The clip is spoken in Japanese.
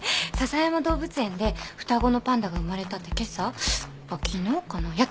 篠山動物園で双子のパンダが生まれたってけさ昨日かな？